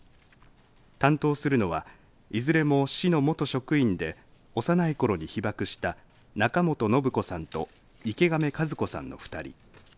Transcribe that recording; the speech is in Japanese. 担当するのはいずれも市の元職員で幼いころに被爆した中本信子さんと池亀和子さんの２人。